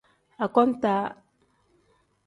Akontaa.